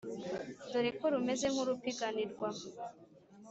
Dore ko rumeze nk`urupiganirwa;